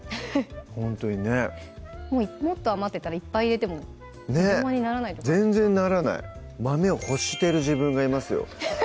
ほんとにねもっと余ってたらいっぱい入れても邪魔にならない全然ならない豆を欲している自分がいますよ